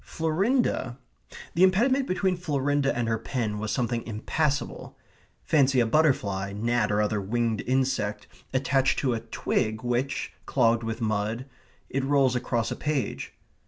Florinda the impediment between Florinda and her pen was something impassable. Fancy a butterfly, gnat, or other winged insect, attached to a twig which, clogged with mud, it rolls across a page.